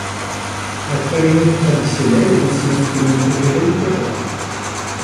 La clarinette traditionnelle est ainsi l'instrument préféré du terroir.